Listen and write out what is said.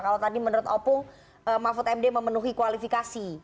kalau tadi menurut opung mahfud md memenuhi kualifikasi